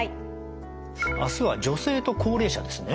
明日は女性と高齢者ですね？